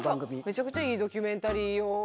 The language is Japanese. めちゃくちゃいいドキュメンタリーを。